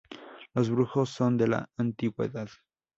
Los brujos de la antigüedad